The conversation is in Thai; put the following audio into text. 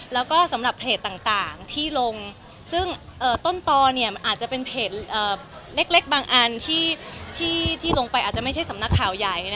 แล้วก็สำหรับเพจต่างที่ลงซึ่งต้นตอมันอาจจะเป็นเพจเล็กบางอันที่ลงไปอาจจะไม่ใช่สำนักข่าวใหญ่